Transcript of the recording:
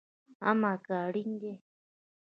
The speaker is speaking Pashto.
امه که اړين دي